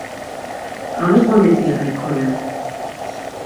Gamiqonit iya ekolen!